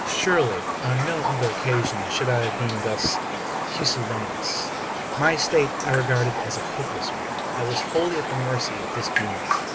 Surely, on no other occasion should I have been thus pusillanimous. My state I regarded as a hopeless one. I was wholly at the mercy of this being.